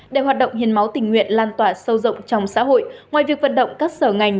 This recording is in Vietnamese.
để hoạt động hiến máu tình nguyện lan tỏa sâu rộng trong xã hội ngoài việc vận động các sở ngành